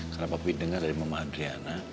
karena papi denger dari mama adriana